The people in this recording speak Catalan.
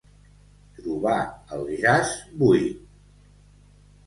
Trobar el jaç buit.